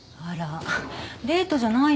デートじゃないの？